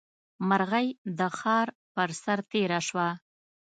مرغۍ د ښار پر سر تېره شوه.